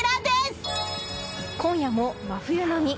今夜も真冬並み。